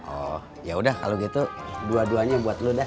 oh ya udah kalau gitu dua duanya buat lu dah